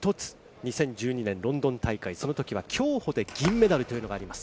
２０１２年ロンドン大会、その時は競歩で銀メダルというのがあります。